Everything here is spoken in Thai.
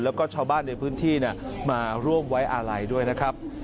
แล้วก็ชาวบ้านในพื้นที่มาร่วมไว้อาลัยด้วยนะครับ